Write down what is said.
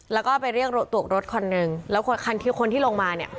แล้วก็ไปเรียกตวกรถคนหนึ่งแล้วคนที่ลงมาเนี่ย